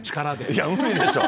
いや、無理でしょ。